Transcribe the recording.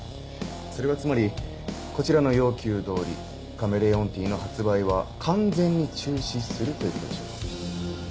それはつまりこちらの要求通りカメレオンティーの発売は完全に中止するということでしょうか？